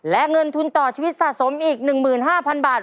และเงินทุนต่อชีวิตสะสมอีก๑๕๐๐๐บาท